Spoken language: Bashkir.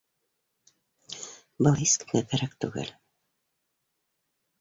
Был һис кемгә кәрәк түгел